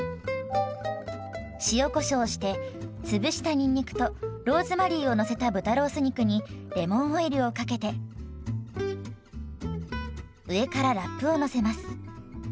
塩こしょうして潰したにんにくとローズマリーをのせた豚ロース肉にレモンオイルをかけて上からラップをのせます。